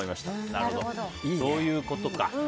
なるほど、そういうことか。